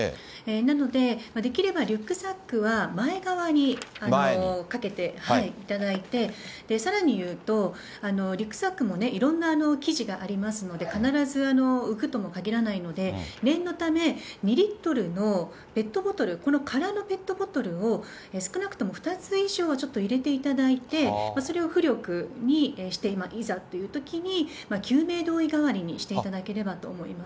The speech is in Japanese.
なので、できればリュックサックは前側にかけていただいて、さらに言うと、リュックサックもね、いろんな生地がありますので、必ず浮くともかぎらないので、念のため、２リットルのペットボトル、空のペットボトルを、少なくとも２つ以上、ちょっと入れていただいて、それを浮力にして、いざっていうときに、救命胴衣代わりにしていただければと思います。